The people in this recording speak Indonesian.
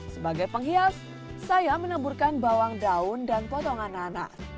sebagai penghias saya menemburkan bawang daun dan potongan nanas